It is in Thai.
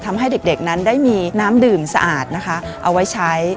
ทำให้เด็กนั้นได้มีน้ำดื่มสะอาดนะคะเอาไว้ใช้